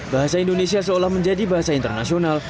bahasa indonesia seolah menjadi bahasa internasional